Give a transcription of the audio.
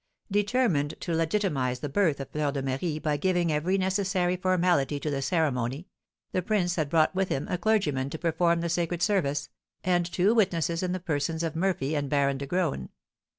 Determined to legitimise the birth of Fleur de Marie by giving every necessary formality to the ceremony, the prince had brought with him a clergyman to perform the sacred service, and two witnesses in the persons of Murphy and Baron de Graün.